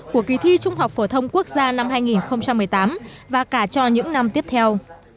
của kỳ thi trung học phổ thông quốc gia năm hai nghìn một mươi tám và cả cho những năm tiếp theo